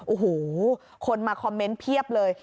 โอ้โหคนมาคอมเมนต์เพียบเลย